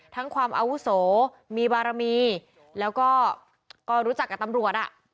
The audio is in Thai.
ความอาวุโสมีบารมีแล้วก็รู้จักกับตำรวจอ่ะ